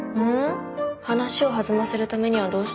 話を弾ませるためにはどうしたらいいの？